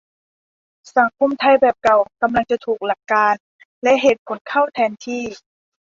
สังคมไทยแบบเก่ากำลังจะถูกหลักการณ์และเหตุผลเข้าแทนที่